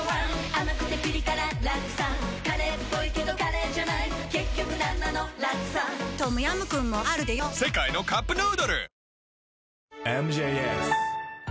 甘くてピリ辛ラクサカレーっぽいけどカレーじゃない結局なんなのラクサトムヤムクンもあるでヨ世界のカップヌードル